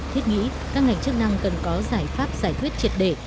thiết nghĩ các ngành chức năng cần có giải pháp giải quyết triệt để